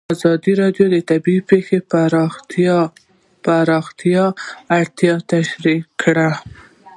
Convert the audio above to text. ازادي راډیو د طبیعي پېښې د پراختیا اړتیاوې تشریح کړي.